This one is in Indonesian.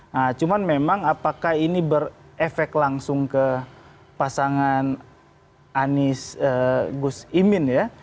nah cuman memang apakah ini berefek langsung ke pasangan anies gus imin ya